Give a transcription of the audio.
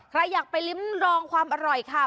ใครอยากไปลิ้มลองความอร่อยค่ะ